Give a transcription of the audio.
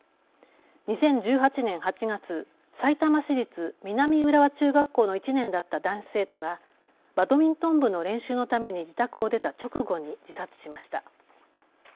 ２０１８年８月、さいたま市立南浦和中学校の１年だった男子生徒がバドミントン部の練習のために自宅を出た直後に自殺しました。